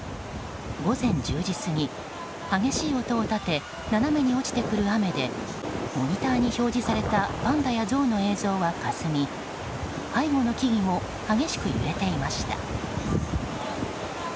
午前１０時過ぎ、激しい音を立て斜めに落ちてくる雨でモニターに表示されたパンダやゾウの映像はかすみ背後の木々も激しく揺れていました。